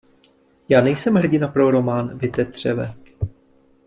Já nejsem hrdina pro román, vy tetřeve!